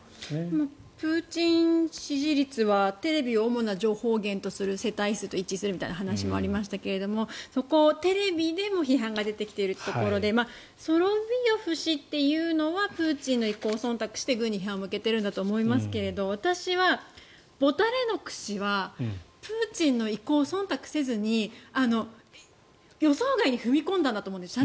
プーチン支持率はテレビを主な情報源とする世帯数と一致するみたいな話もありましたけどそこのテレビでも批判が出てきているということでソロヴィヨフ氏というのはプーチンの意向をそんたくして軍に批判を向けているんだと思いますが私はホダレノク氏はプーチンの意向をそんたくせずに予想外に踏み込んだなと思ったんです。